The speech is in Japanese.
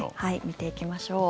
見ていきましょう。